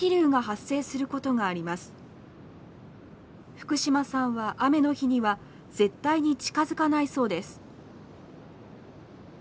福島さんは雨の日には絶対に近づかないそうです。